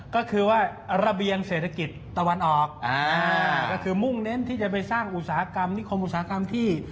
ก็คือว่าระเบียงเศรษฐกิจตะวันออกก็คือมุ่งเน้นที่จะไปสร้างอุตสาหกรรมนิคมอุตสาหกรรมที่